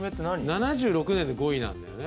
７６年で５位なんだよね